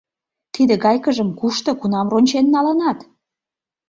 Тиде гайкыжым кушто, кунам рончен налынат?